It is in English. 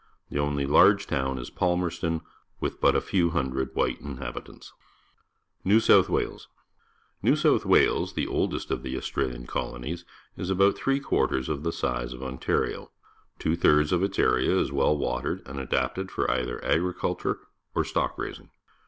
The only large town is Palmcxston, with but a few hundred white inhabitants. New South Wales. — N^eio South Wales, tlie oldestof the Au strahan colonies, is about three quarters of the size of Ontario. Two thirds of its area is well watered and adapted for either agriculture or stock rais ing.